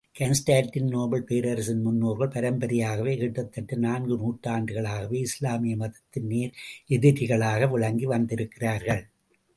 Constantinople பேரரசரின் முன்னோர்கள், பரம்பரையாகவே கிட்டத்தட்ட நான்கு நூற்றாண்டுகளாகவே இஸ்லாமிய மதத்தின் நேர் எதிரிகளாக விளங்கி வந்திருக்கிறார்கள்.